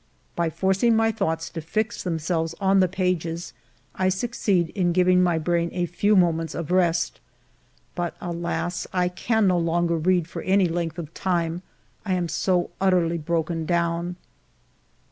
By forcing my thoughts to fix themselves on ALFRED DREYFUS 193 the pages, I succeed in giving my brain a few moments of rest, but, alas ! I can no longer read for any length of time, I am so utterly broken down.